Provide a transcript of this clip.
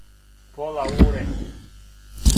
пола уре